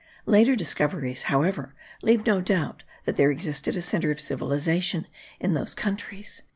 Later discoveries, however, leave no doubt that there existed a centre of civilization in those countries.)